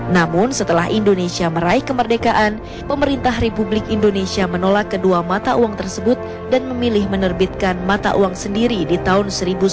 namun setelah indonesia meraih kemerdekaan pemerintah republik indonesia menolak kedua mata uang tersebut dan memilih menerbitkan mata uang sendiri di tahun seribu sembilan ratus sembilan puluh